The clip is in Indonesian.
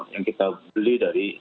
yang kita beli dari